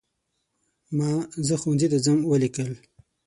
ما "زه ښوونځي ته ځم" ولیکل.